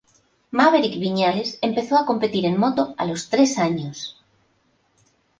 Maverick Viñales empezó a competir en moto a los tres años.